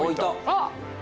あっ。